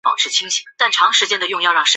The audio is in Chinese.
索尔尼。